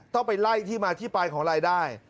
ต้องไปไล่ที่มาที่ไปของรายได้